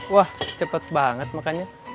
wah cepet banget makannya